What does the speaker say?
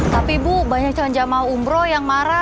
tapi bu banyak calon jamaah umroh yang marah